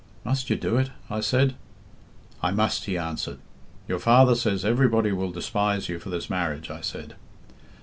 'Must you do it?' I said. 'I must,' he answered. 'Your father says everybody will despise you for this marriage,' I said.